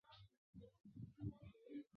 只有少数非国家公务员能升任到此阶级。